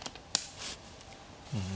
うん。